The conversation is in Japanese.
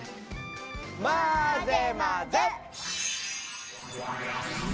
まぜまぜ！